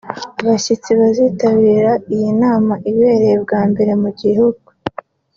abashyitsi bazitabira iyi nama ibereye bwa mbere mu gihugu